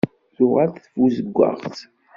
Tuɣal-d tbuzeggaɣt.